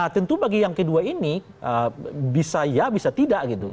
tentu bagi yang kedua ini bisa ya bisa tidak gitu